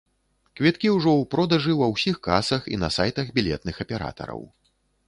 Квіткі ўжо ў продажы ва ўсіх касах і на сайтах білетных аператараў.